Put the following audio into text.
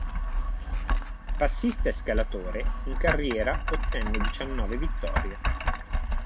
Passista e scalatore, in carriera ottenne diciannove vittorie.